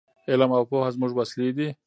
علم او پوهه زموږ وسلې دي.